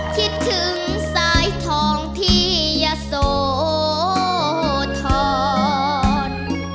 คิดถึงสายทองที่อย่าโสดทอด